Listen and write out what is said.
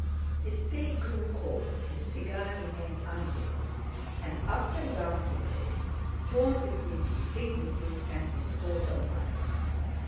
His tea grew cold, his cigar remained unlit; and up and down he paced, torn between his dignity and his hold on life.